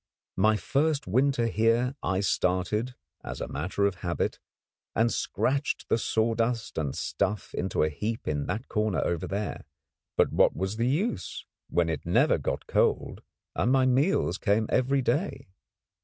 My first winter here I started, as a matter of habit, and scratched the sawdust and stuff into a heap in that corner over there. But what was the use, when it never got cold and my meals came every day?